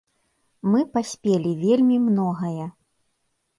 Мы паспелі вельмі многае.